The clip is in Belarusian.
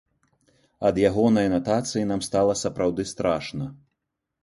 Ад ягонай анатацыі нам стала сапраўды страшна!